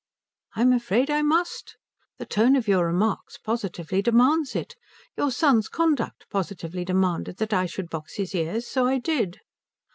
"I'm afraid I must. The tone of your remarks positively demands it. Your son's conduct positively demanded that I should box his ears. So I did."